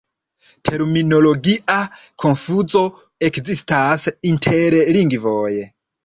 Terminologia konfuzo ekzistas inter lingvoj.